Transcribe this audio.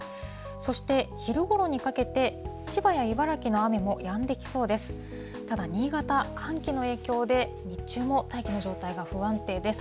そして昼ごろにかけて、千葉や茨城の雨もやんできそうです。